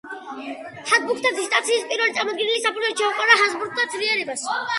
ჰაბსბურგთა დინასტიის პირველი წარმომადგენელი, საფუძველი ჩაუყარა ჰაბსბურგთა ძლიერებას.